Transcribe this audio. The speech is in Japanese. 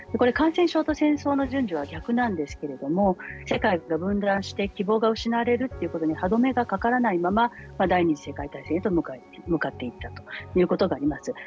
感染症と戦争の順序は逆なんですけれども世界が分断して希望が失われるということに歯止めがかからないまま第二次世界大戦へと向かっているということが言えます。